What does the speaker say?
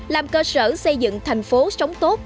làm cơ sở xây dựng thành phố sống tốt